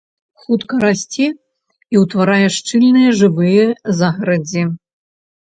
Хутка расце і ўтварае шчыльныя жывыя загарадзі.